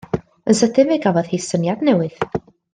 Yn sydyn fe gafodd hi syniad newydd.